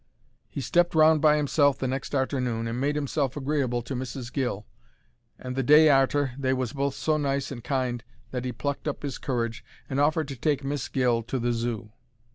He stepped round by 'imself the next arternoon and made 'imself agreeable to Mrs. Gill, and the day arter they was both so nice and kind that 'e plucked up 'is courage and offered to take Miss Gill to the Zoo.